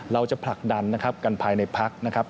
เราจะผลักดันกันภายในภาคนะครับ